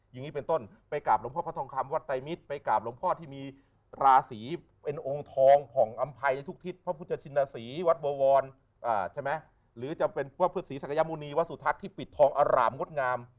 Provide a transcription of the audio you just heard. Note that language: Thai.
ยังงี้เป็นต้นไปกราบหลวงพ่อพระทอมคำวัฏน์ไตมิตรไปกราบหลวงพ่อที่มีราศรีเป็นองค์ทองของอัมไพรทุกทิศพระพุทธชินศรีวัตต์เบาวรหรือจะเป็นพระพฤษฐีสักยามวุณีวัสถักที่ปิดทองอร่ามงดงาม